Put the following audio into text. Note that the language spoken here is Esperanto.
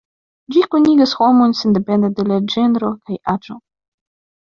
Ĝi kunigas homojn sendepende de ĝenro kaj aĝo.